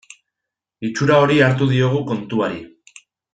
Itxura hori hartu diogu kontuari.